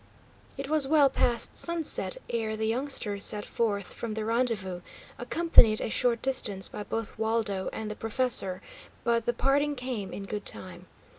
It was well past sunset ere the youngsters set forth from the rendezvous, accompanied a short distance by both Waldo and the professor; but the parting came in good time.